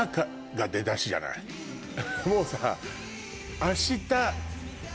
もうさ。